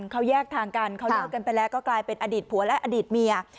เขาแยกทางกันเขาเลิกกันไปแล้วก็กลายเป็นอดีตผัวและอดีตเมีย